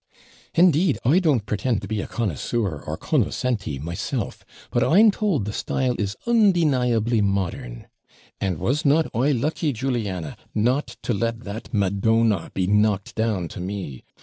'Indeed, I don't pretend to be a connoisseur or conoscenti myself; but I'm told the style is undeniably modern. And was not I lucky, Juliana, not to let that MEDONA be knocked down to me?